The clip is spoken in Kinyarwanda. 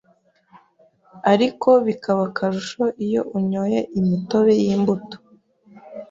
ariko bikaba akarusho iyo unyoye imitobe y’imbuto